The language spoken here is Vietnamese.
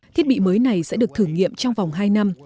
thiết bị mới này sẽ được thử nghiệm trong vòng hai năm